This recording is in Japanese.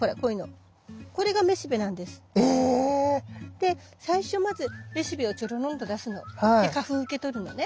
⁉で最初まずめしべをちょろんと出すの。で花粉受け取るのね。